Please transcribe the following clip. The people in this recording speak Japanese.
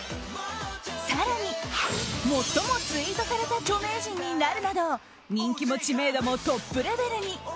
更に、もっともツイートされた著名人になるなど人気も知名度もトップレベルに。